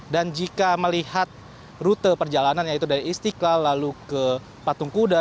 dan jika melihat rute perjalanan yaitu dari istiqlal lalu ke patung kuda